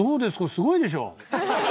すごいでしょ？